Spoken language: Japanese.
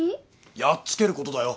やっつけることだよ。